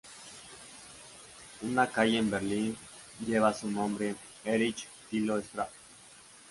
Una calle en Berlín lleva su nombre, Erich-Thilo-Straße.